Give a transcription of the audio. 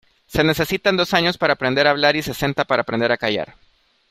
Se necesitan dos años para aprender a hablar y sesenta para aprender a callar.